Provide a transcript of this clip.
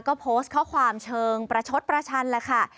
ก็โพสต์ข้อความเชิงประชดประชันแหละค่ะ